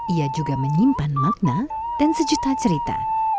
ia juga menyimpan makna dan sejuta cerita